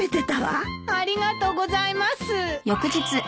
ありがとうございます。